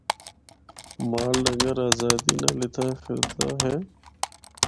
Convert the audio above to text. مال ڈنگر آزاد نال اِتھا فردا اے۔